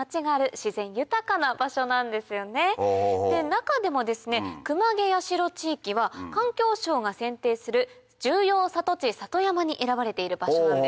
中でもですね熊毛八代地域は環境省が選定する重要里地里山に選ばれている場所なんです。